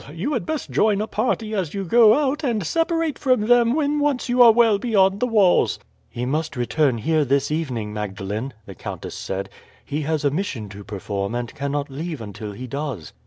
You had best join a party as you go out, and separate from them when once you are well beyond the walls." "He must return here this evening, Magdalene," the countess said. "He has a mission to perform, and cannot leave until he does."